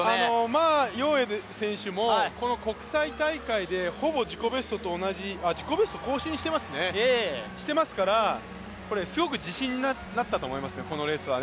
馬永慧選手も国際大会で自己ベスト更新してますからすごく自信になったと思いますよ、このレースは。